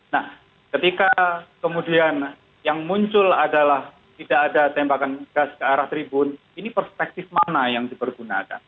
nah ketika kemudian yang muncul adalah tidak ada tembakan gas ke arah tribun ini perspektif mana yang dipergunakan